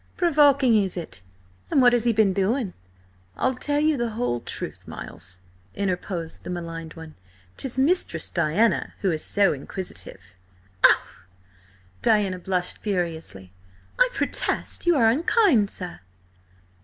"Provoking, is it? And what has he been doing?" "I'll tell you the whole truth, Miles," interposed the maligned one. "'Tis Mistress Diana who is so inquisitive!" "Oh!" Diana blushed furiously "I protest you are unkind, sir!"